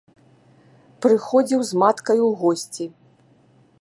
Прыходзіў з маткаю ў госці.